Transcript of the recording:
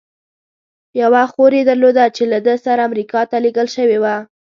یوه خور یې درلوده، چې له ده سره امریکا ته لېږل شوې وه.